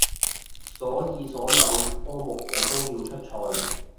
所以所有科目我都要出賽